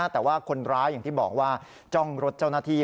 แต่ว่าคนร้ายอย่างที่บอกว่าจ้องรถเจ้าหน้าที่